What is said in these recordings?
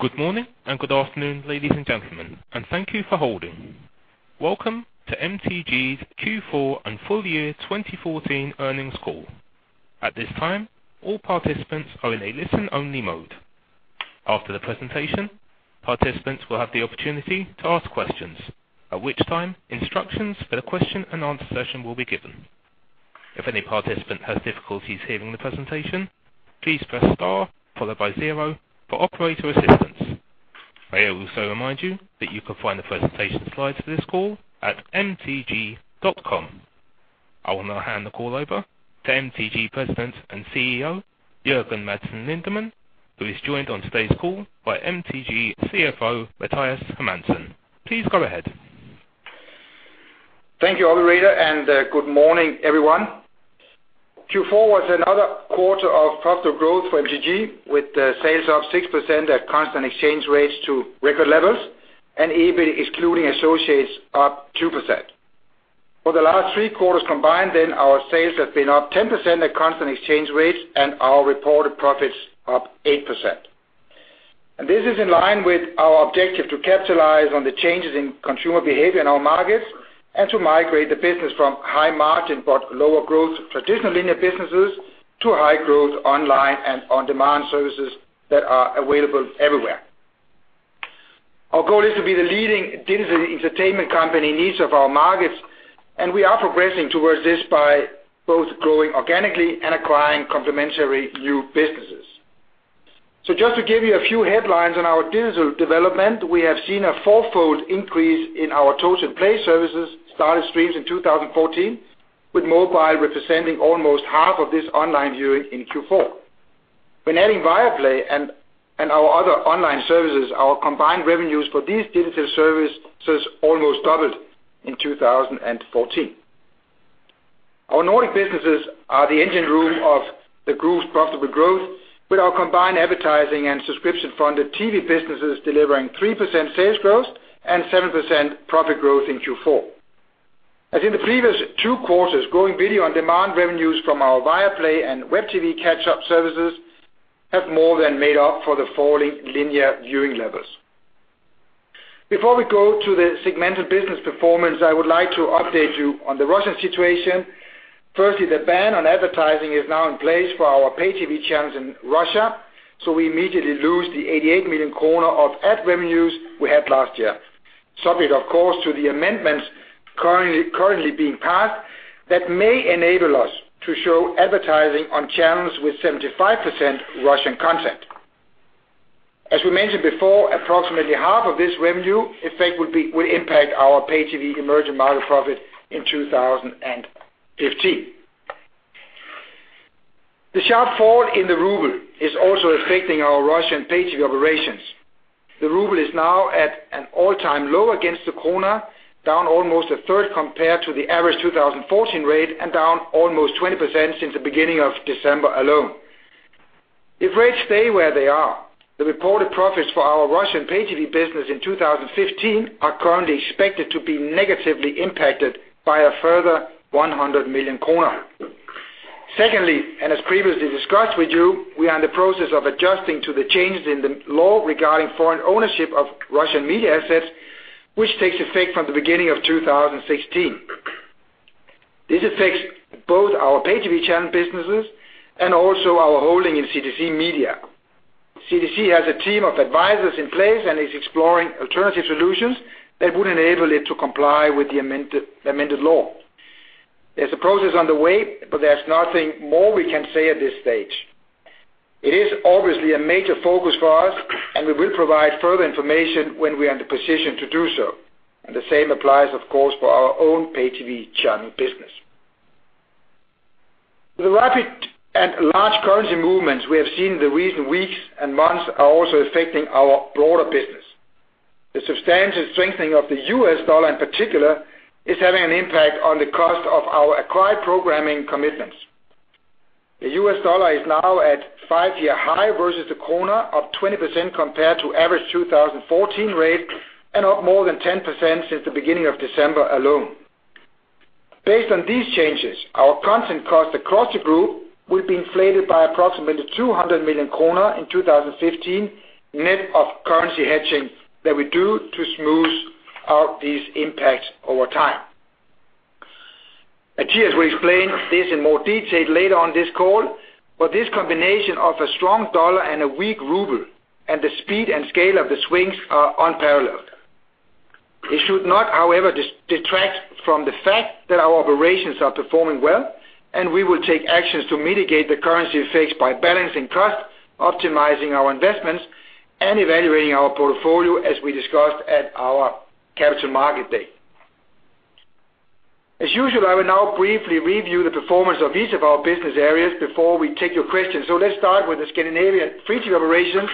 Good morning and good afternoon, ladies and gentlemen, and thank you for holding. Welcome to MTG's Q4 and full year 2014 earnings call. At this time, all participants are in a listen-only mode. After the presentation, participants will have the opportunity to ask questions, at which time instructions for the question-and-answer session will be given. If any participant has difficulties hearing the presentation, please press star followed by 0 for operator assistance. I also remind you that you can find the presentation slides for this call at mtg.com. I will now hand the call over to MTG President and CEO Jørgen Madsen Lindemann, who is joined on today's call by MTG CFO Mathias Hermansson. Please go ahead. Thank you, Oliver Reeder, and good morning, everyone. Q4 was another quarter of profitable growth for MTG, with sales up 6% at constant exchange rates to record levels, and EBIT excluding associates up 2%. For the last three quarters combined, our sales have been up 10% at constant exchange rates and our reported profits up 8%. This is in line with our objective to capitalize on the changes in consumer behavior in our markets and to migrate the business from high-margin but lower-growth traditional linear businesses to high-growth online and on-demand services that are available everywhere. Our goal is to be the leading digital entertainment company in each of our markets, and we are progressing towards this by both growing organically and acquiring complementary new businesses. Just to give you a few headlines on our digital development, we have seen a fourfold increase in our [inaudible] services started streams in 2014, with mobile representing almost half of this online viewing in Q4. When adding Viaplay and our other online services, our combined revenues for these digital services almost doubled in 2014. Our Nordic businesses are the engine room of the group's profitable growth, with our combined advertising and subscription-funded TV businesses delivering 3% sales growth and 7% profit growth in Q4. As in the previous two quarters, growing video on-demand revenues from our Viaplay and Web TV catch-up services have more than made up for the falling linear viewing levels. Before we go to the segmental business performance, I would like to update you on the Russian situation. Firstly, the ban on advertising is now in place for our pay TV channels in Russia, we immediately lose the 88 million kronor of ad revenues we had last year, subject, of course, to the amendments currently being passed that may enable us to show advertising on channels with 75% Russian content. As we mentioned before, approximately half of this revenue effect will impact our pay TV emerging market profit in 2015. The sharp fall in the ruble is also affecting our Russian pay TV operations. The ruble is now at an all-time low against the kroner, down almost a third compared to the average 2014 rate and down almost 20% since the beginning of December alone. If rates stay where they are, the reported profits for our Russian pay TV business in 2015 are currently expected to be negatively impacted by a further 100 million kronor. As previously discussed with you, we are in the process of adjusting to the changes in the law regarding foreign ownership of Russian media assets, which takes effect from the beginning of 2016. This affects both our pay TV channel businesses and also our holding in CTC Media. CTC Media has a team of advisors in place and is exploring alternative solutions that would enable it to comply with the amended law. There's a process underway. There's nothing more we can say at this stage. It is obviously a major focus for us. We will provide further information when we are in the position to do so. The same applies, of course, for our own pay TV channel business. The rapid and large currency movements we have seen in the recent weeks and months are also affecting our broader business. The substantial strengthening of the U.S. dollar, in particular, is having an impact on the cost of our acquired programming commitments. The U.S. dollar is now at five-year high versus the SEK, up 20% compared to average 2014 rate and up more than 10% since the beginning of December alone. Based on these changes, our content cost across the group will be inflated by approximately 200 million kronor in 2015, net of currency hedging that we do to smooth out these impacts over time. At TS, we explain this in more detail later on this call. This combination of a strong dollar and a weak ruble, and the speed and scale of the swings, are unparalleled. It should not, however, detract from the fact that our operations are performing well. We will take actions to mitigate the currency effects by balancing cost, optimizing our investments, and evaluating our portfolio, as we discussed at our Capital Markets Day. As usual, I will now briefly review the performance of each of our business areas before we take your questions. Let's start with the Scandinavian free TV operations,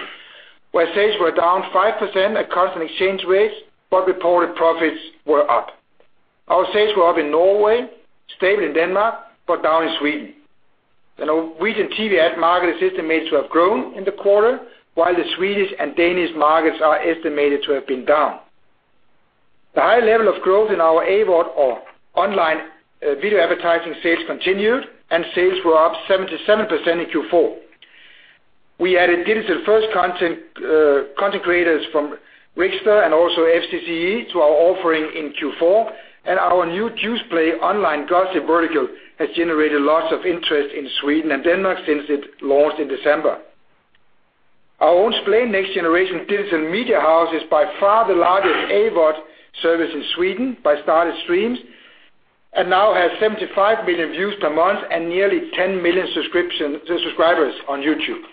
where sales were down 5% at constant exchange rates. Reported profits were up. Our sales were up in Norway, stable in Denmark. Down in Sweden. The Norwegian TV ad market is estimated to have grown in the quarter, while the Swedish and Danish markets are estimated to have been down. The high level of growth in our AVOD, or online video advertising sales, continued. Sales were up 77% in Q4. We added digital-first content creators from Rickster and also [FCCE] to our offering in Q4. Our new JuicePlay online gossip vertical has generated lots of interest in Sweden and Denmark since it launched in December. Our own Splay Next Generation digital media house is by far the largest AVOD service in Sweden by started streams. Now has 75 million views per month and nearly 10 million subscribers on YouTube.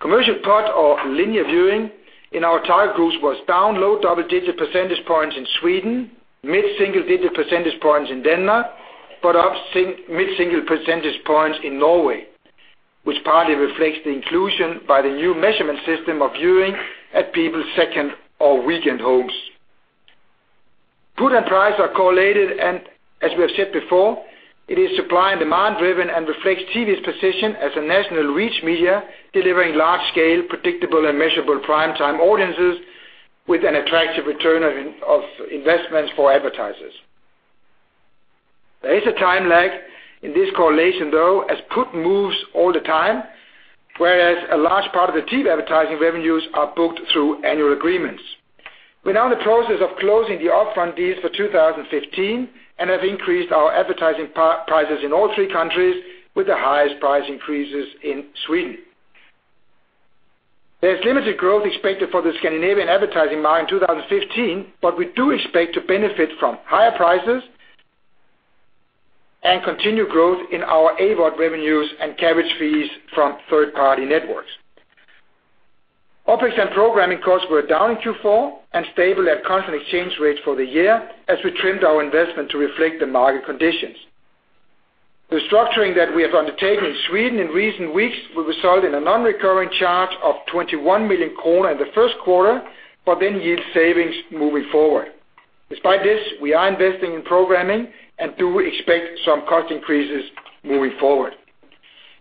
Commercial pot, or linear viewing, in our target groups was down low double-digit percentage points in Sweden, mid-single-digit percentage points in Denmark. Up mid-single percentage points in Norway, which partly reflects the inclusion by the new measurement system of viewing at people's second or weekend homes. Good, price are correlated, and as we have said before, it is supply and demand-driven and reflects TV's position as a national reach media delivering large-scale, predictable, and measurable prime-time audiences with an attractive return on investments for advertisers. There is a time lag in this correlation, though, as spot moves all the time, whereas a large part of the TV advertising revenues are booked through annual agreements. We're now in the process of closing the upfront deals for 2015 and have increased our advertising prices in all three countries, with the highest price increases in Sweden. There's limited growth expected for the Scandinavian advertising market in 2015, but we do expect to benefit from higher prices and continue growth in our AVOD revenues and coverage fees from third-party networks. OPEX and programming costs were down in Q4 and stable at constant exchange rates for the year as we trimmed our investment to reflect the market conditions. The structuring that we have undertaken in Sweden in recent weeks will result in a non-recurring charge of 21 million kronor in the first quarter, yield savings moving forward. Despite this, we are investing in programming and do expect some cost increases moving forward.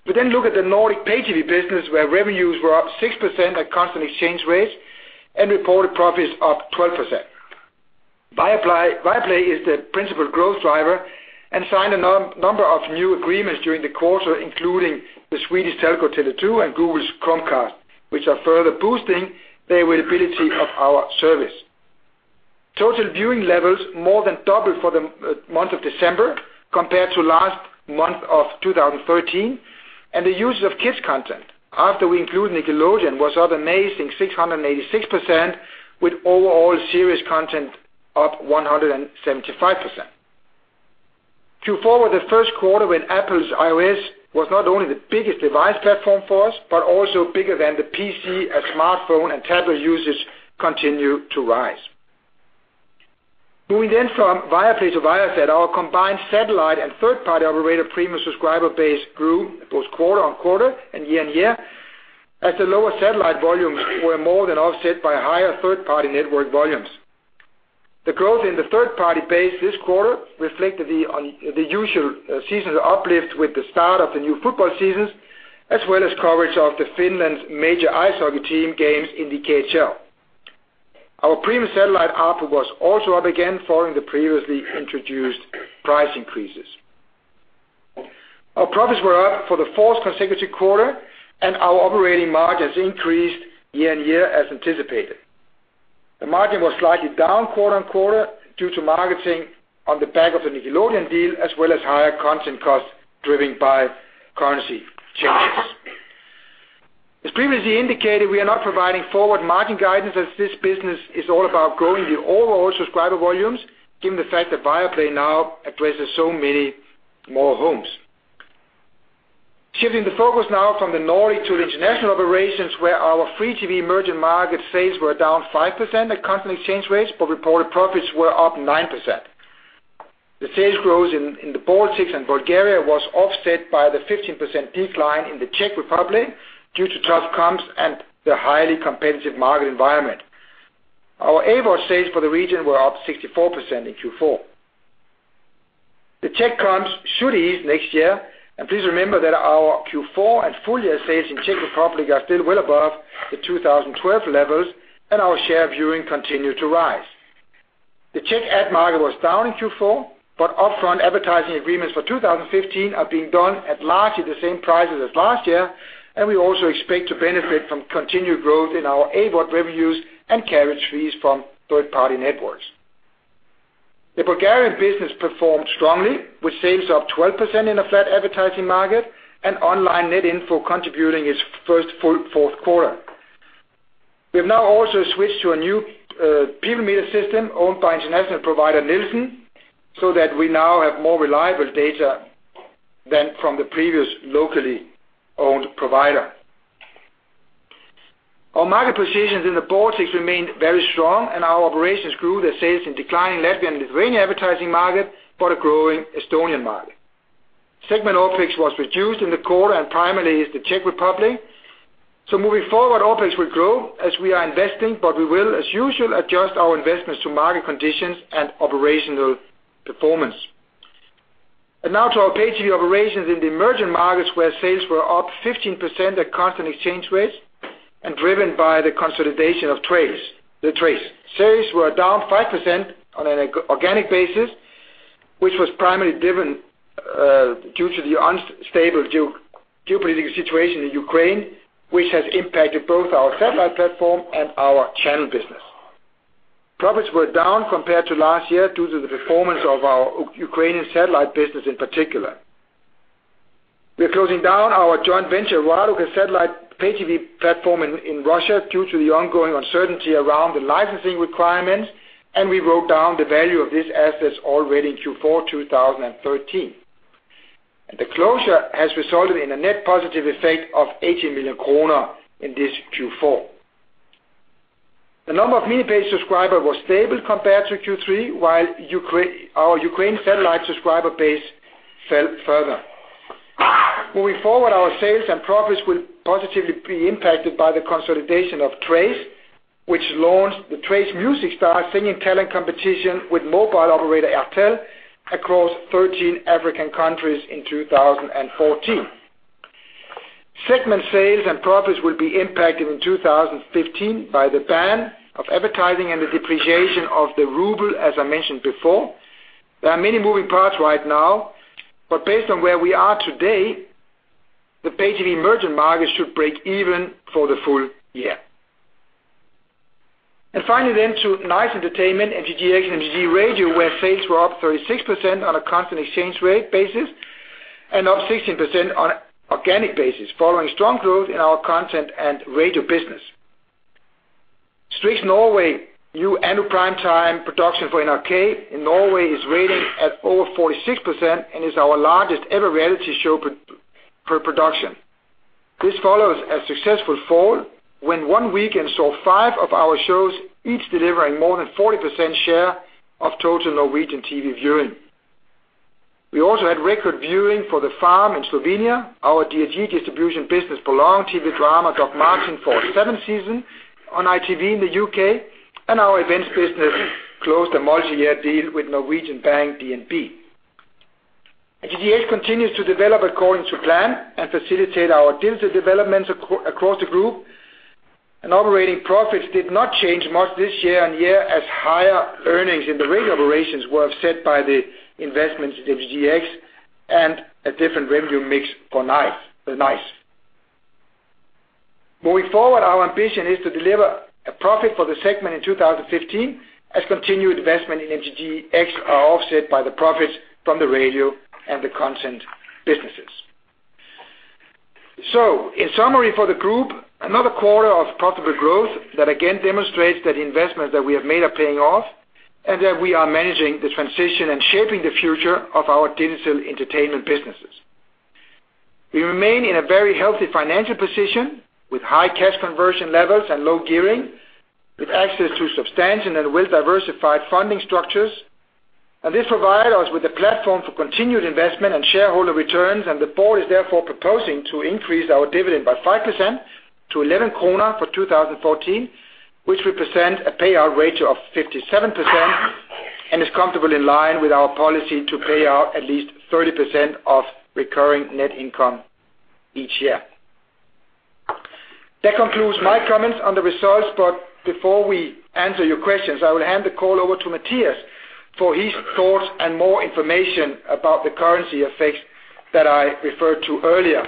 We look at the Nordic pay TV business, where revenues were up 6% at constant exchange rates and reported profits up 12%. Viaplay is the principal growth driver and signed a number of new agreements during the quarter, including the Swedish Telco Tele2 and Google's Chromecast, which are further boosting the availability of our service. Total viewing levels more than doubled for the month of December compared to last month of 2013, The usage of kids' content, after we included Nickelodeon, was up amazing 686%, with overall series content up 175%. Q4 was the first quarter when Apple's iOS was not only the biggest device platform for us, but also bigger than the PC as smartphone and tablet users continue to rise. Moving from Viaplay to Viasat, our combined satellite and third-party operator premium subscriber base grew both quarter-on-quarter and year-on-year, as the lower satellite volumes were more than offset by higher third-party network volumes. The growth in the third-party base this quarter reflected the usual seasonal uplift with the start of the new football seasons, as well as coverage of the Finland's major ice hockey team games in the KHL. Our premium satellite ARPU was also up again following the previously introduced price increases. Our profits were up for the fourth consecutive quarter, Our operating margins increased year-on-year as anticipated. The margin was slightly down quarter-on-quarter due to marketing on the back of the Nickelodeon deal, as well as higher content costs driven by currency changes. As previously indicated, we are not providing forward margin guidance as this business is all about growing the overall subscriber volumes, given the fact that Viaplay now addresses so many more homes. Shifting the focus now from the Nordic to the international operations, where our free TV emerging market sales were down 5% at constant exchange rates, reported profits were up 9%. The sales growth in the Baltics and Bulgaria was offset by the 15% decline in the Czech Republic due to tough comps and the highly competitive market environment. Our AVOD sales for the region were up 64% in Q4. The Czech comps should ease next year. Please remember that our Q4 and full-year sales in the Czech Republic are still well above the 2012 levels, and our share of viewing continued to rise. The Czech ad market was down in Q4, but upfront advertising agreements for 2015 are being done at largely the same prices as last year. We also expect to benefit from continued growth in our AVOD revenues and coverage fees from third-party networks. The Bulgarian business performed strongly, with sales up 12% in a flat advertising market and online Net info contributing its first fourth quarter. We have now also switched to a new people meter system owned by international provider Nielsen, so that we now have more reliable data than from the previous locally owned provider. Our market positions in the Baltics remained very strong, and our operations grew their sales in declining Latvian and Lithuanian advertising markets, but a growing Estonian market. Segment OPEX was reduced in the quarter and primarily is the Czech Republic. Moving forward, OPEX will grow as we are investing, but we will, as usual, adjust our investments to market conditions and operational performance. Now to our pay TV operations in the emerging markets, where sales were up 15% at constant exchange rates and driven by the consolidation of Trace. Sales were down 5% on an organic basis, which was primarily driven due to the unstable geopolitical situation in Ukraine, which has impacted both our satellite platform and our channel business. Profits were down compared to last year due to the performance of our Ukrainian satellite business in particular. We are closing down our joint venture Raduga satellite pay TV platform in Russia due to the ongoing uncertainty around the licensing requirements. We wrote down the value of this asset already in Q4 2013. The closure has resulted in a net positive effect of 18 million kronor in this Q4. The number of mini-pay subscribers was stable compared to Q3, while our Ukraine satellite subscriber base fell further. Moving forward, our sales and profits will positively be impacted by the consolidation of Trace, which launched the Trace Music Star singing talent competition with mobile operator Airtel across 13 African countries in 2014. Segment sales and profits will be impacted in 2015 by the ban of advertising and the depreciation of the RUB, as I mentioned before. There are many moving parts right now, but based on where we are today, the pay TV emerging markets should break even for the full year. Finally to Nice Entertainment Group, MTGX, and MTG Radio, where sales were up 36% on a constant exchange rate basis and up 16% on an organic basis, following strong growth in our content and radio business. Strix Norway, new annual prime-time production for NRK in Norway, is rating at over 46% and is our largest ever reality show production. This follows a successful fall when one weekend saw five of our shows, each delivering more than 40% share of total Norwegian TV viewing. We also had record viewing for The Farm in Slovenia, our DRG distribution business for long TV drama Doc Martin for a seventh season on ITV in the U.K., and our events business closed a multi-year deal with Norwegian bank DNB. MTGx continues to develop according to plan and facilitate our digital developments across the group. Operating profits did not change much this year-on-year, as higher earnings in the radio operations were set by the investments in MTGx and a different revenue mix for Nice. Moving forward, our ambition is to deliver a profit for the segment in 2015, as continued investment in MTGx are offset by the profits from the radio and the content businesses. In summary for the group, another quarter of profitable growth that again demonstrates that the investments that we have made are paying off and that we are managing the transition and shaping the future of our digital entertainment businesses. We remain in a very healthy financial position with high cash conversion levels and low gearing, with access to substantial and well-diversified funding structures. This provided us with a platform for continued investment and shareholder returns, and the board is therefore proposing to increase our dividend by 5% to 11 kronor for 2014, which represents a payout ratio of 57% and is comfortable in line with our policy to pay out at least 30% of recurring net income each year. That concludes my comments on the results, but before we answer your questions, I will hand the call over to Mathias for his thoughts and more information about the currency effects that I referred to earlier.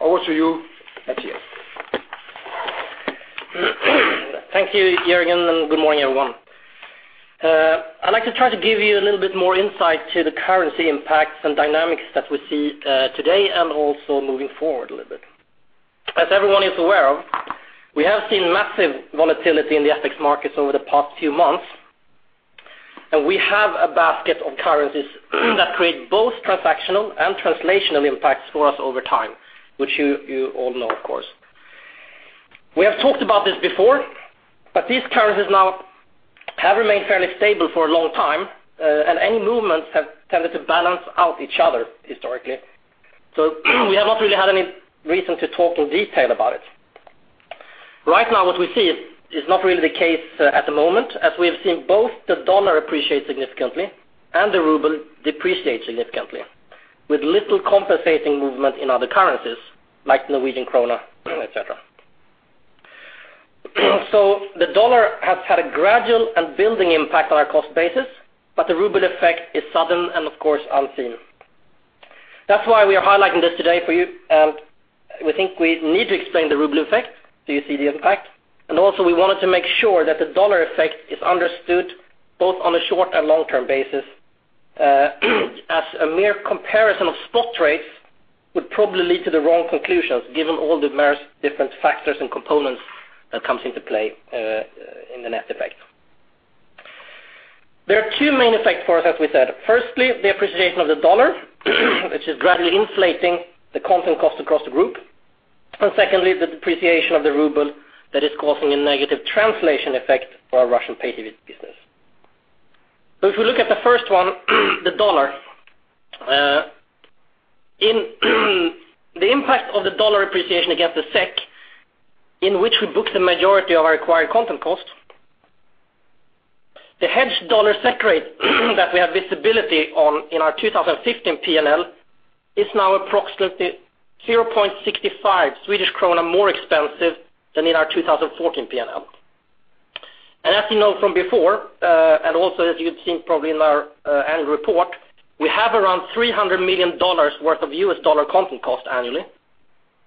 Over to you, Mathias. Thank you, Jørgen, and good morning, everyone. I'd like to try to give you a little bit more insight into the currency impacts and dynamics that we see today and also moving forward a little bit. As everyone is aware of, we have seen massive volatility in the FX markets over the past few months, and we have a basket of currencies that create both transactional and translational impacts for us over time, which you all know, of course. We have talked about this before, but these currencies now have remained fairly stable for a long time, and any movements have tended to balance out each other historically. We have not really had any reason to talk in detail about it. Right now, what we see is not really the case at the moment, as we have seen both the dollar appreciate significantly and the ruble depreciate significantly, with little compensating movement in other currencies like Norwegian kroner, etc. The dollar has had a gradual and building impact on our cost basis, but the ruble effect is sudden and, of course, unseen. That's why we are highlighting this today for you, and we think we need to explain the ruble effect so you see the impact. Also, we wanted to make sure that the dollar effect is understood both on a short and long-term basis, as a mere comparison of spot trades would probably lead to the wrong conclusions given all the various different factors and components that come into play in the net effect. There are two main effects for us, as we said. Firstly, the appreciation of the dollar, which is gradually inflating the content cost across the group. Secondly, the depreciation of the RUB that is causing a negative translation effect for our Russian pay TV business. If we look at the first one, the dollar, the impact of the dollar appreciation against the SEK, in which we booked the majority of our acquired content cost, the hedged dollar SEK rate that we have visibility on in our 2015 P&L is now approximately 0.65 Swedish krona more expensive than in our 2014 P&L. As you know from before, and also as you'd seen probably in our annual report, we have around $300 million worth of US dollar content cost annually.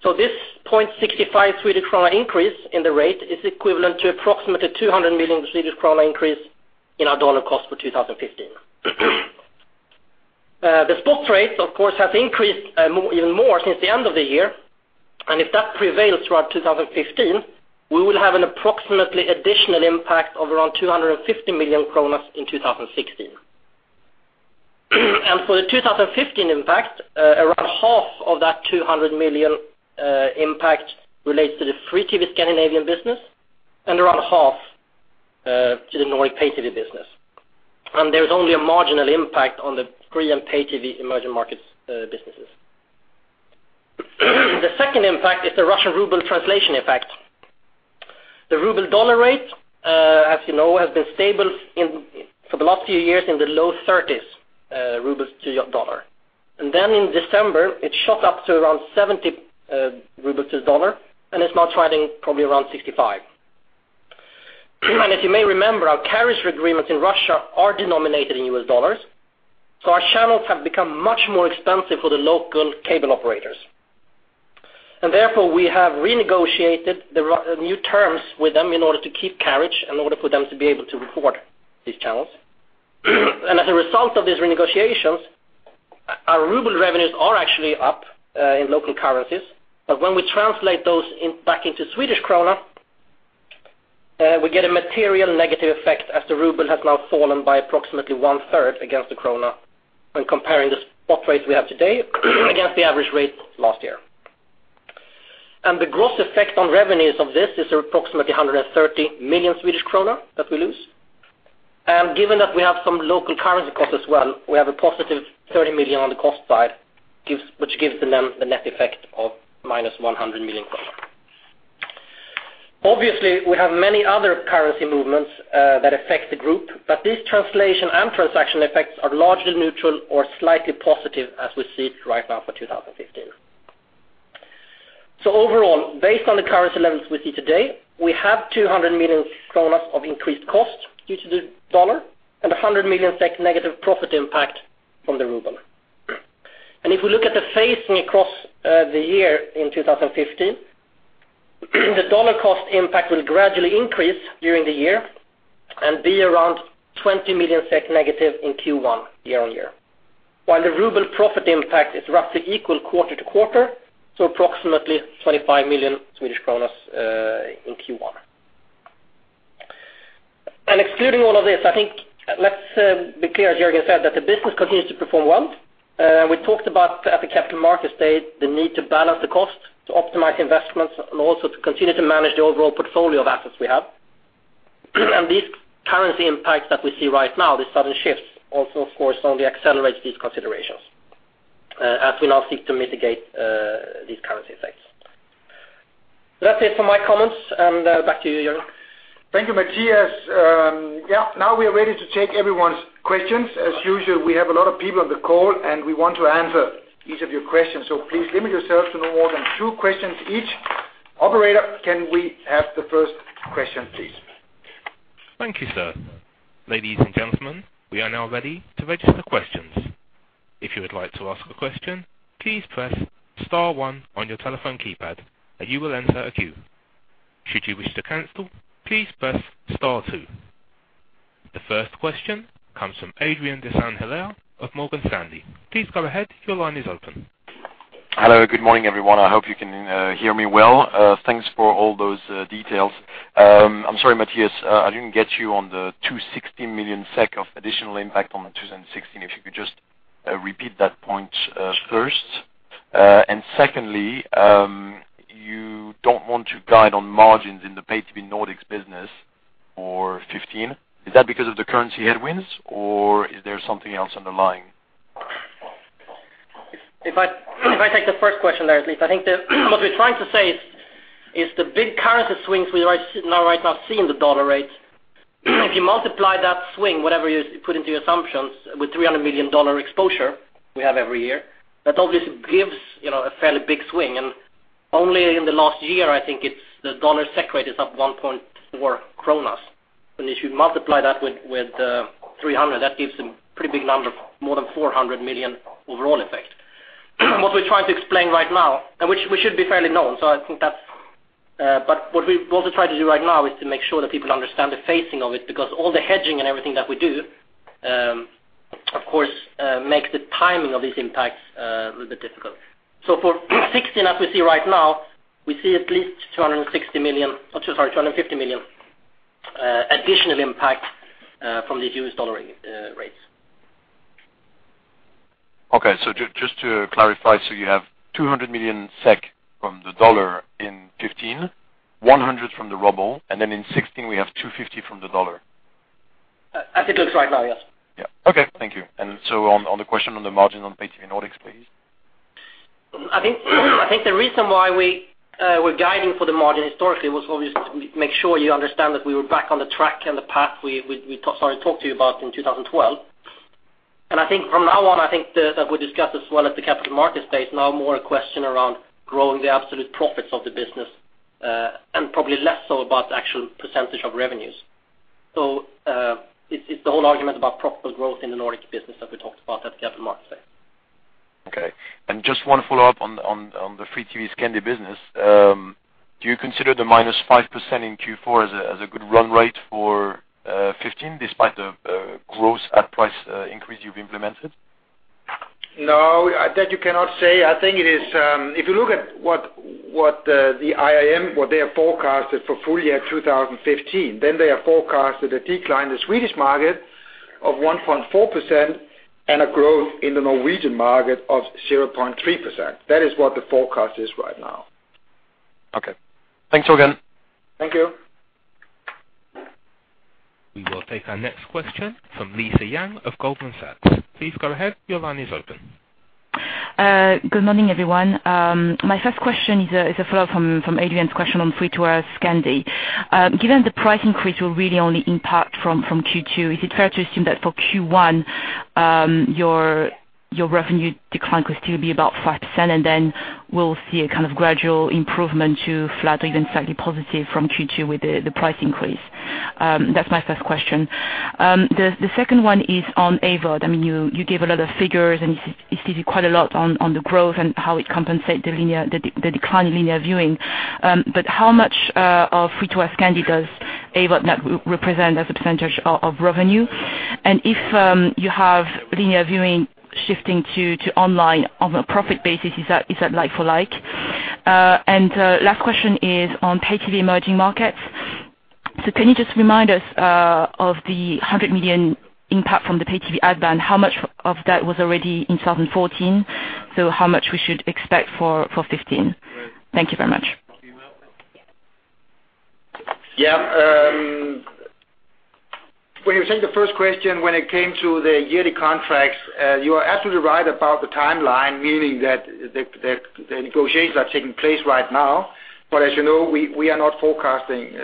This 0.65 Swedish krona increase in the rate is equivalent to approximately 200 million Swedish krona increase in our dollar cost for 2015. The spot rates, of course, have increased even more since the end of the year. If that prevails throughout 2015, we will have an approximately additional impact of around 250 million kronor in 2016. For the 2015 impact, around half of that 200 million impact relates to the free TV Scandinavian business and around half to the Nordic pay TV business. There's only a marginal impact on the free and pay TV emerging markets businesses. The second impact is the Russian RUB translation effect. The RUB dollar rate, as you know, has been stable for the last few years in the low 30s RUB to the dollar. In December, it shot up to around 70 rubles to the dollar, and it's now trading probably around 65 RUB. As you may remember, our carriage agreements in Russia are denominated in US dollars. Our channels have become much more expensive for the local cable operators. Therefore, we have renegotiated the new terms with them in order to keep carriage, in order for them to be able to record these channels. As a result of these renegotiations, our RUB revenues are actually up in local currencies. When we translate those back into SEK, we get a material negative effect as the RUB has now fallen by approximately one-third against the SEK when comparing the spot rates we have today against the average rate last year. The gross effect on revenues of this is approximately 130 million Swedish kronor that we lose. Given that we have some local currency costs as well, we have a positive 30 million on the cost side, which gives them the net effect of minus 100 million. Obviously, we have many other currency movements that affect the group, but these translation and transaction effects are largely neutral or slightly positive as we see it right now for 2015. Overall, based on the currency levels we see today, we have 200 million kronor of increased cost due to the dollar and 100 million SEK negative profit impact from the RUB. If we look at the phasing across the year in 2015, the dollar cost impact will gradually increase during the year and be around 20 million SEK negative in Q1, year-on-year. While the RUB profit impact is roughly equal quarter-to-quarter, so approximately 25 million in Q1. Excluding all of this, I think let's be clear, as Jørgen said, that the business continues to perform well. We talked about at the Capital Markets Day, the need to balance the cost, to optimize investments, and also to continue to manage the overall portfolio of assets we have. These currency impacts that we see right now, these sudden shifts, also, of course, only accelerate these considerations as we now seek to mitigate these currency effects. That's it for my comments, and back to you, Jørgen. Thank you, Mathias. Now we are ready to take everyone's questions. As usual, we have a lot of people on the call, and we want to answer each of your questions. Please limit yourself to no more than two questions each. Operator, can we have the first question, please? Thank you, sir. Ladies and gentlemen, we are now ready to register questions. If you would like to ask a question, please press star 1 on your telephone keypad, and you will enter a queue. Should you wish to cancel, please press star 2. The first question comes from Adrien de Saint Hilaire of Morgan Stanley. Please go ahead. Your line is open. Hello. Good morning, everyone. I hope you can hear me well. Thanks for all those details. I'm sorry, Mathias. I didn't get you on the 260 million SEK of additional impact on 2016, if you could just repeat that point first. Secondly, you don't want to guide on margins in the pay TV Nordics business for 2015. Is that because of the currency headwinds, or is there something else underlying? If I take the first question, [inaudible] I think what we're trying to say is the big currency swings we now right now see in the dollar rate. If you multiply that swing, whatever you put into your assumption, with $300 million exposure we have every year, that obviously gives a fairly big swing. Only in the last year, I think the dollar SEK rate is up 1.4 kronor. If you multiply that with 300, that gives a pretty big number, more than 400 million overall effect. What we're trying to explain right now is to make sure that people understand the phasing of it because all the hedging and everything that we do, of course, makes the timing of these impacts a little bit difficult. For 2016, as we see right now, we see at least 260 million or, sorry, 250 million additional impact from these U.S. dollar rates. Okay. Just to clarify, you have 200 million SEK from the dollar in 2015, 100 million from the ruble, and then in 2016, we have 250 million from the dollar? As it looks right now, yes. Yeah. Okay. Thank you. On the question on the margin on pay TV Nordics, please. I think the reason why we were guiding for the margin historically was obviously to make sure you understand that we were back on the track and the path we started to talk to you about in 2012. I think from now on, I think that we discussed as well at the Capital Markets Day, it is now more a question around growing the absolute profits of the business and probably less so about the actual % of revenues. It is the whole argument about profitable growth in the Nordic business that we talked about at the Capital Markets Day. Okay. Just one follow-up on the free TV Scandia business. Do you consider the -5% in Q4 as a good run rate for 2015 despite the gross ad price increase you have implemented? No, that you cannot say. I think it is if you look at what the IRM, what they have forecasted for full year 2015, then they have forecasted a decline in the Swedish market of 1.4% and a growth in the Norwegian market of 0.3%. That is what the forecast is right now. Okay. Thanks, Jørgen. Thank you. We will take our next question from Lisa Yang of Goldman Sachs. Please go ahead. Your line is open. Good morning, everyone. My first question is a follow-up from Adrian's question on free TV Scandia. Given the price increase will really only impact from Q2, is it fair to assume that for Q1, your revenue decline could still be about 5%, and then we will see a kind of gradual improvement to flat or even slightly positive from Q2 with the price increase? That is my first question. The second one is on AVOD. I mean, you gave a lot of figures, and you stated quite a lot on the growth and how it compensates the declining linear viewing. How much of free TV Scandia does AVOD represent as a % of revenue? If you have linear viewing shifting to online on a profit basis, is that like-for-like? Last question is on pay TV emerging markets. Can you just remind us of the 100 million impact from the pay TV ad ban? How much of that was already in 2014? How much we should expect for 2015? Thank you very much. Yeah. When you were saying the first question, when it came to the yearly contracts, you are absolutely right about the timeline, meaning that the negotiations are taking place right now. As you know, we are not forecasting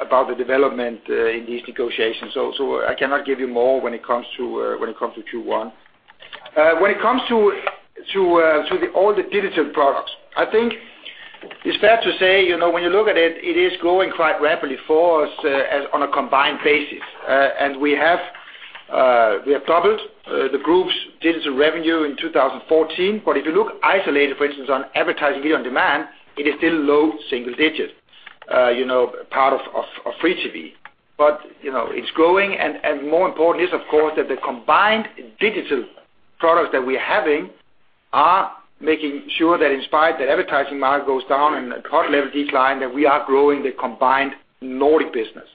about the development in these negotiations. I cannot give you more when it comes to Q1. When it comes to all the digital products, I think it is fair to say when you look at it is growing quite rapidly for us on a combined basis. We have doubled the group's digital revenue in 2014. If you look isolated, for instance, on advertising-led on demand, it is still low single-digit part of free TV. It is growing. More important is, of course, that the combined digital products that we are having are making sure that in spite of that advertising market going down and cut-level decline, that we are growing the combined Nordic business.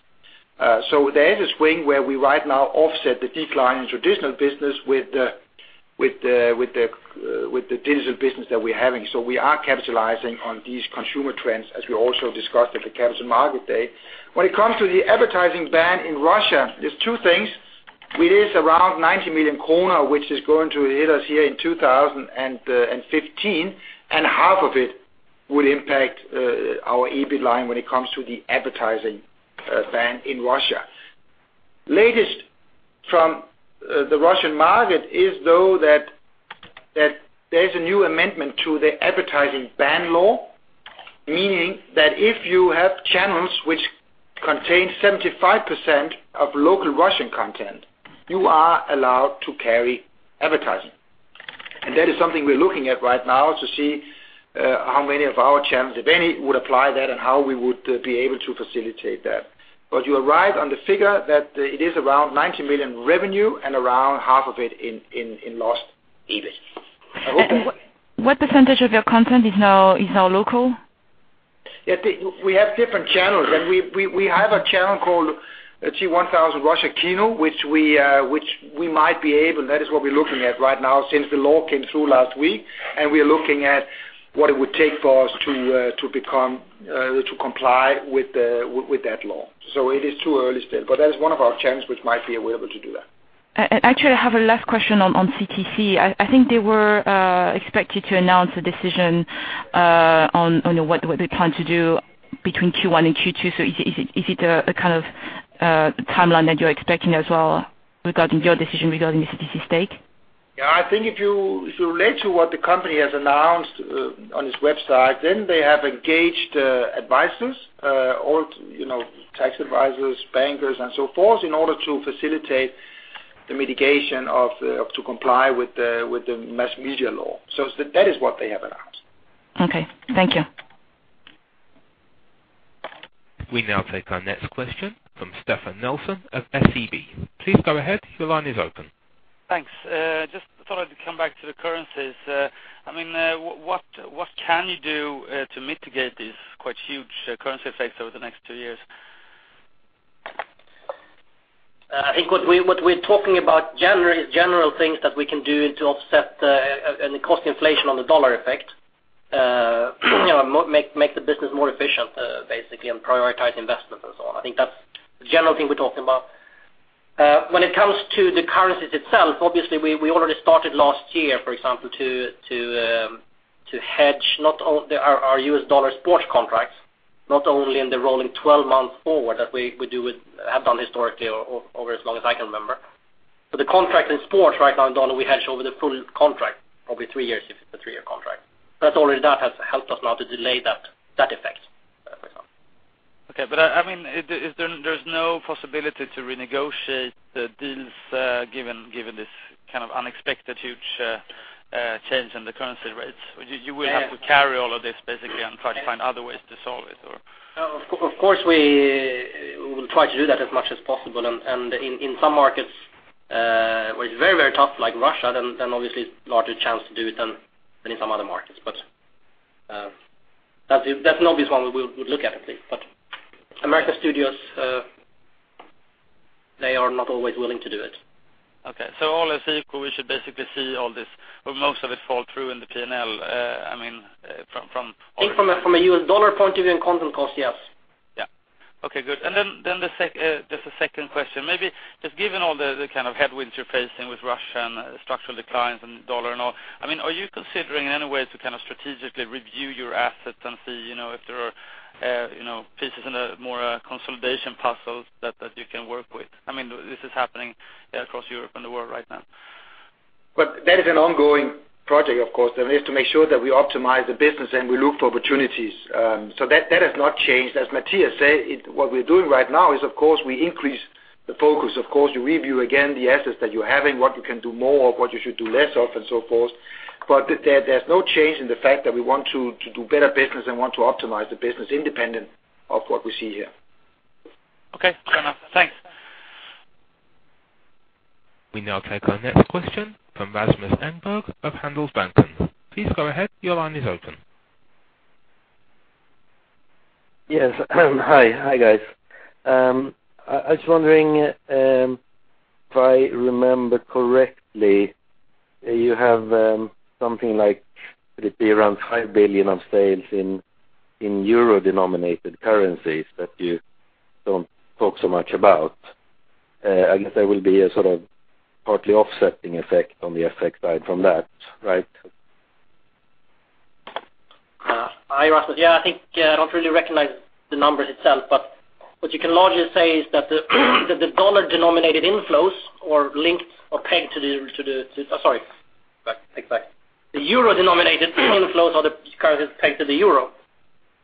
There is a swing where we right now offset the decline in traditional business with the digital business that we are having. We are capitalizing on these consumer trends, as we also discussed at the Capital Markets Day. When it comes to the advertising ban in Russia, there are two things. It is around 90 million kronor, which is going to hit us here in 2015. Half of it would impact our EBIT line when it comes to the advertising ban in Russia. Latest from the Russian market is, though, that there is a new amendment to the advertising ban law, meaning that if you have channels which contain 75% of local Russian content, you are allowed to carry advertising. That is something we are looking at right now to see how many of our channels, if any, would apply that and how we would be able to facilitate that. But you arrive on the figure that it is around 90 million revenue and around half of it in lost EBIT. What percentage of your content is now local? We have different channels. We have a channel called TV1000 Russkoe Kino, which we might be able that is what we are looking at right now since the law came through last week. We are looking at what it would take for us to comply with that law. So it is too early still. But that is one of our channels which might be available to do that. Actually, I have a last question on CTC. I think they were expected to announce a decision on what they plan to do between Q1 and Q2. So is it a kind of timeline that you are expecting as well regarding your decision regarding the CTC stake? I think if you relate to what the company has announced on its website, then they have engaged advisors, tax advisors, bankers, and so forth in order to facilitate the mitigation of to comply with the mass media law. So that is what they have announced. Okay. Thank you. We now take our next question from Stefan Nelson of SEB. Please go ahead. Your line is open. Thanks. I mean, what can you do to mitigate these quite huge currency effects over the next 2 years? I think what we are talking about is general things that we can do to offset and cost inflation on the dollar effect, make the business more efficient, basically, and prioritize investments and so on. I think that is the general thing we are talking about. When it comes to the currencies itself, obviously, we already started last year, for example, to hedge our U.S. dollar sports contracts, not only in the rolling 12-month forward that we have done historically over as long as I can remember. So the contracts in sports right now in dollar, we hedge over the full contract, probably 3 years if it is a 3-year contract. That has already that has helped us now to delay that effect, for example. Okay. I mean, there is no possibility to renegotiate deals given this kind of unexpected huge change in the currency rates. You will have to carry all of this, basically, and try to find other ways to solve it, or? Of course, we will try to do that as much as possible. In some markets where it is very, very tough, like Russia, then obviously, it is larger chance to do it than in some other markets. But that is an obvious one we would look at least. But U.S. studios, they are not always willing to do it. Okay. So all SEK, we should basically see all this, or most of it fall through in the P&L, I mean, from? I think from a U.S. dollar point of view and content cost, yes. Yeah. Okay. Good. Then there is a second question. Maybe just given all the kind of headwinds you're facing with Russia and structural declines in U.S. dollar and all, I mean, are you considering in any way to kind of strategically review your assets and see if there are pieces in a more consolidation puzzle that you can work with? I mean, this is happening across Europe and the world right now. That is an ongoing project, of course. We have to make sure that we optimize the business and we look for opportunities. That has not changed. As Mathias said, what we're doing right now is, of course, we increase the focus. Of course, you review again the assets that you're having, what you can do more of, what you should do less of, and so forth. There's no change in the fact that we want to do better business and want to optimize the business independent of what we see here. Okay. Fair enough. Thanks. We now take our next question from Rasmus Engberg of Handelsbanken. Please go ahead. Your line is open. Yes. Hi. Hi, guys. I was wondering, if I remember correctly, you have something like would it be around 5 billion of sales in euro-denominated currencies that you don't talk so much about? I guess there will be a sort of partly offsetting effect on the FX side from that, right? Hi, Rasmus. Yeah. I think I don't really recognize the numbers itself. What you can largely say is that the euro-denominated inflows are the currencies pegged to the euro.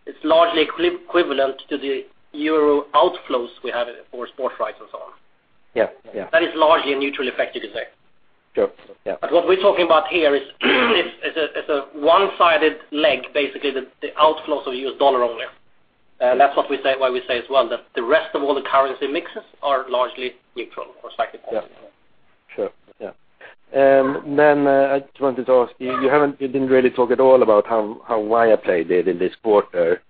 It's largely equivalent to the EUR outflows we have for sports rights and so on. That is largely a neutral effect, you could say. What we're talking about here is it's a one-sided leg, basically, the outflows of U.S. dollar only. That's why we say as well that the rest of all the currency mixes are largely neutral or slightly. [inaudible] Yeah. Sure. Yeah. I just wanted to ask, you didn't really talk at all about how Viaplay did in this quarter.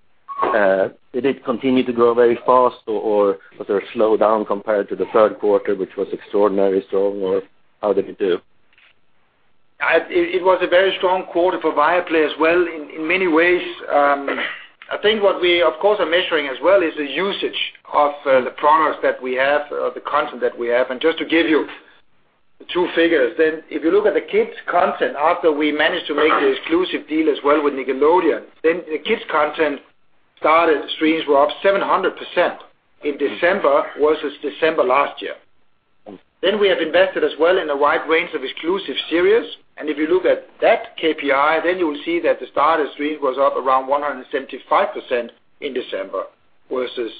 Did it continue to grow very fast or slow down compared to the third quarter, which was extraordinarily strong? Or how did it do? It was a very strong quarter for Viaplay as well in many ways. I think what we, of course, are measuring as well is the usage of the products that we have or the content that we have. Just to give you two figures, then if you look at the kids' content after we managed to make an exclusive deal as well with Nickelodeon, then the kids' content started streams were up 700% in December versus December last year. We have invested as well in a wide range of exclusive series. If you look at that KPI, then you will see that the start of streams was up around 175% in December versus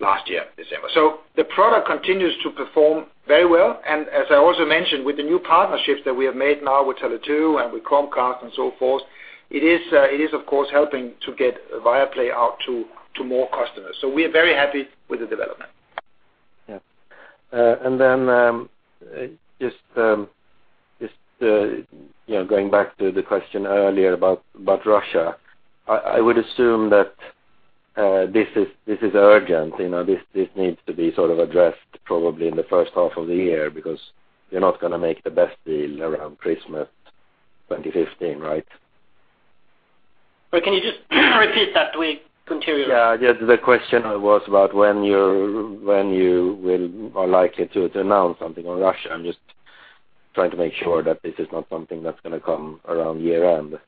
last year, December. The product continues to perform very well. As I also mentioned, with the new partnerships that we have made now with Tele2 and with Chromecast and so forth, it is, of course, helping to get Viaplay out to more customers. We are very happy with the development. Yeah. Just going back to the question earlier about Russia, I would assume that this is urgent. This needs to be addressed probably in the first half of the year because you are not going to make the best deal around Christmas 2015, right? Can you just repeat that? Do we continue? The question was about when you are likely to announce something on Russia. I am just trying to make sure that this is not something that is going to come around year-end.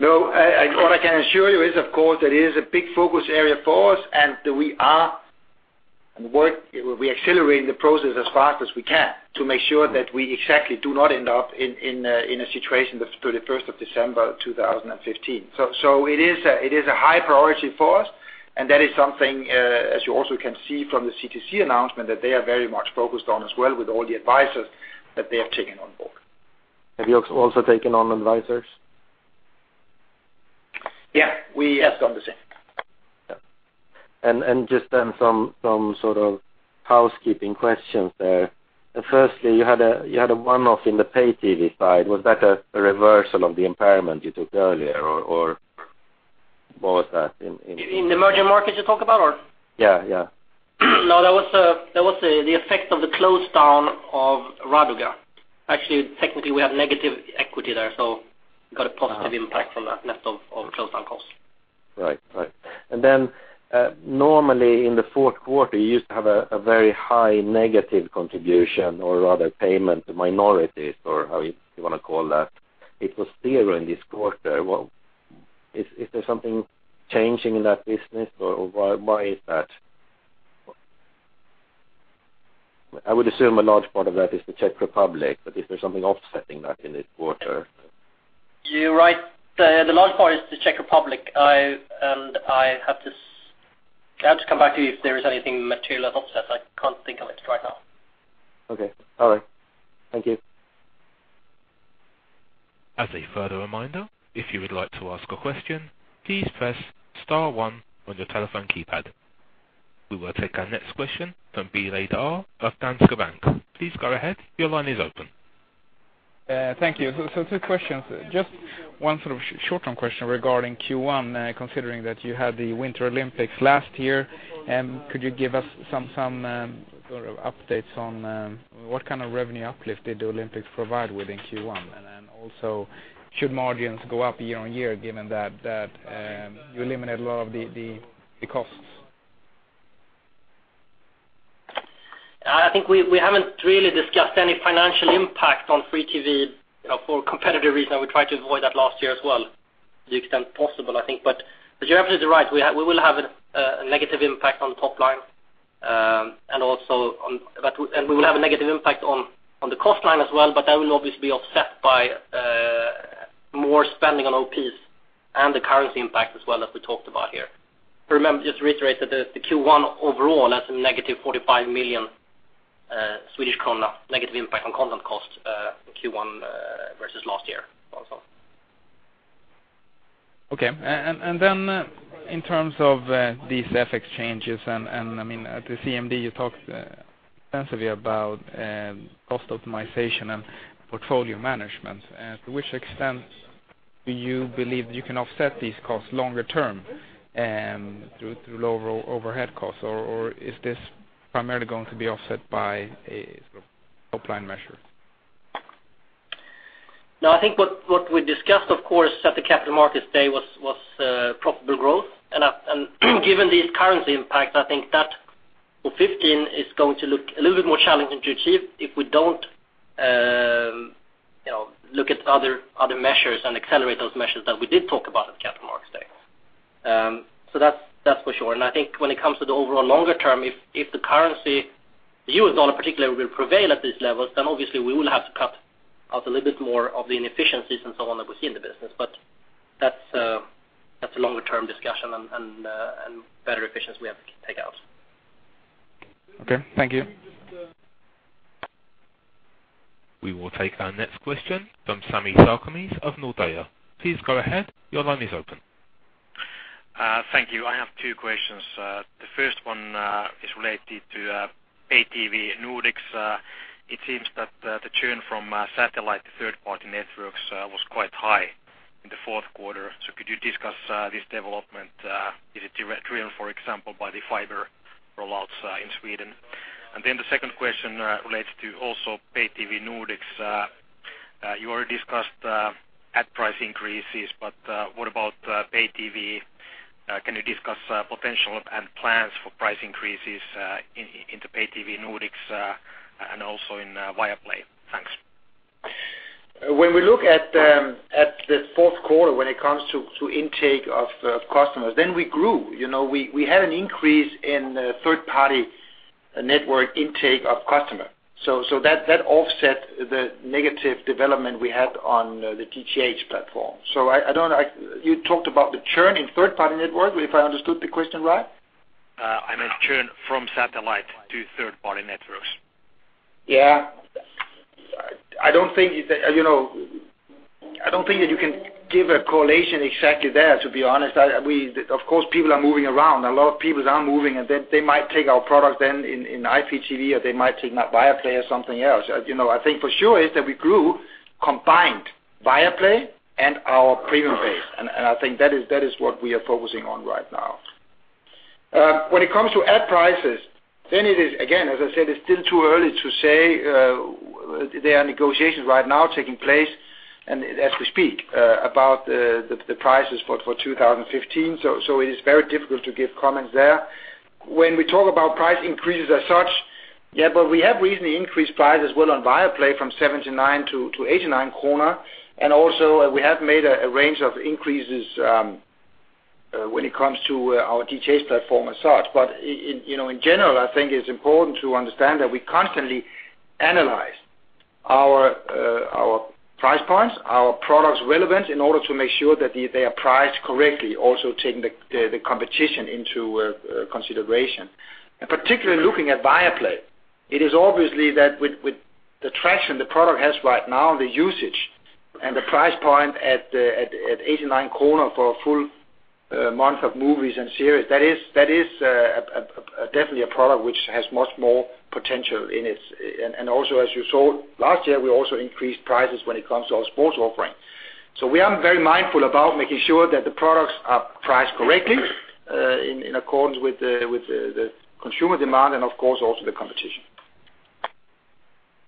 What I can assure you is it is a big focus area for us. We are accelerating the process as fast as we can to make sure that we exactly do not end up in a situation to the 1st of December 2015. It is a high priority for us. That is something, as you also can see from the CTC announcement, that they are very much focused on as well with all the advisors that they have taken on board. Have you also taken on advisors? We have done the same. Just then some sort of housekeeping questions there. Firstly, you had a one-off in the pay TV side. Was that a reversal of the impairment you took earlier, or what was that in? In the emerging markets you talk about, or? That was the effect of the closed-down of Raduga. Technically, we had negative equity there. We got a positive impact from that net of closed-down costs. Right. Right. Then normally, in the fourth quarter, you used to have a very high negative contribution or rather payment to minorities, or however you want to call that. It was 0 in this quarter. Is there something changing in that business, or why is that? I would assume a large part of that is the Czech Republic. Is there something offsetting that in this quarter? You are right. The large part is the Czech Republic. I have to come back to you if there is anything material that offsets. I can't think of it right now. Thank you. We will take our next question from [inaudible] of Danske Bank. Please go ahead. Your line is open. Thank you. Two questions. Just one sort of short-term question regarding Q1, considering that you had the Winter Olympics last year. Could you give us some sort of updates on what kind of revenue uplift did the Olympics provide within Q1? Also, should margins go up year-on-year given that you eliminate a lot of the costs? I think we haven't really discussed any financial impact on free TV for competitive reasons. We tried to avoid that last year as well to the extent possible, I think. You are absolutely right. We will have a negative impact on the top line. We will have a negative impact on the cost line as well. That will obviously be offset by more spending on OPs and the currency impact as well that we talked about here. Just reiterated, the Q1 overall, that's a negative 45 million Swedish krona, negative impact on content cost in Q1 versus last year also. In terms of these FX changes, at the CMD, you talked extensively about cost optimization and portfolio management. To which extent do you believe that you can offset these costs longer term through lower overhead costs? Or is this primarily going to be offset by a sort of top-line measure? I think what we discussed, of course, at the Capital Markets Day was profitable growth. Given these currency impacts, I think that 2015 is going to look a little bit more challenging to achieve if we don't look at other measures and accelerate those measures that we did talk about at the Capital Markets Day. That's for sure. I think when it comes to the overall longer term, if the currency, the US dollar particularly, will prevail at these levels, obviously, we will have to cut out a little bit more of the inefficiencies and so on that we see in the business. That's a longer-term discussion and better efficiency we have to take out. Okay. Thank you. We will take our next question from Sami Sarkamies of Nordea. Please go ahead. Your line is open. Thank you. I have two questions. The first one is related to pay TV Nordics. It seems that the churn from satellite third-party networks was quite high in the fourth quarter. Could you discuss this development? Is it driven, for example, by the fiber rollouts in Sweden? The second question relates to also pay TV Nordics. You already discussed ad price increases, what about pay TV? Can you discuss potential and plans for price increases in the pay TV Nordics and also in Viaplay? Thanks. When we look at the fourth quarter, when it comes to intake of customers, we grew. We had an increase in third-party network intake of customers. That offset the negative development we had on the DTH platform. I don't know. You talked about the churn in third-party networks, if I understood the question right. I meant churn from satellite to third-party networks. Yeah. I don't think that you can give a correlation exactly there, to be honest. Of course, people are moving around. A lot of people are moving. They might take our product in IPTV, or they might take Viaplay or something else. I think for sure is that we grew combined Viaplay and our premium base. I think that is what we are focusing on right now. When it comes to ad prices, it is again, as I said, it's still too early to say. There are negotiations right now taking place as we speak about the prices for 2015. It is very difficult to give comments there. When we talk about price increases as such, we have reasonably increased prices well on Viaplay from 79 to 89 kronor. We have made a range of increases when it comes to our DTH platform as such. In general, I think it's important to understand that we constantly analyze our price points, our products' relevance in order to make sure that they are priced correctly, also taking the competition into consideration. Particularly looking at Viaplay, it is obvious that with the traction the product has right now, the usage, and the price point at 89 kronor for a full month of movies and series, that is definitely a product which has much more potential in it. Also, as you saw last year, we also increased prices when it comes to our sports offering. We are very mindful about making sure that the products are priced correctly in accordance with the consumer demand and, of course, also the competition.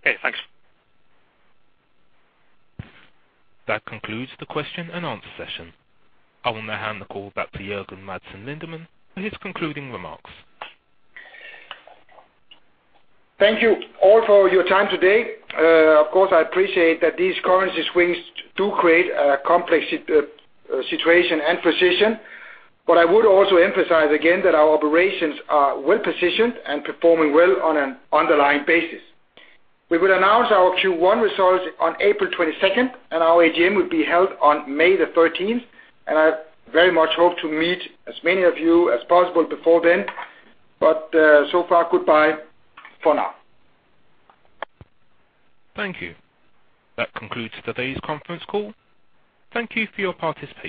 Okay. Thanks. That concludes the question and answer session. I will now hand the call back to Jørgen Madsen Lindemann for his concluding remarks. Thank you all for your time today. Of course, I appreciate that these currency swings do create a complex situation and position. I would also emphasize again that our operations are well positioned and performing well on an underlying basis. We will announce our Q1 results on April 22nd, and our AGM will be held on May the 13th. I very much hope to meet as many of you as possible before then. So far, goodbye for now. Thank you. That concludes today's conference call. Thank you for your participation.